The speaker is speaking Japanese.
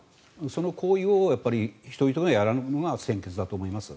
その行為を一人ひとりがやるのが先決だと思います。